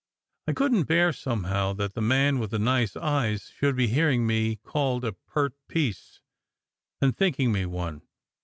I couldn t bear, somehow, that the man with the nice eyes should be hearing me called a "pert piece," and thinking me one.